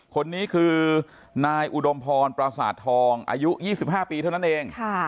คนนี้คือนายอุดมพรปราสาททองอายุ๒๕ปีเท่านั้นเอง